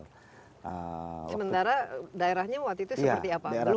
sementara daerahnya waktu itu seperti apa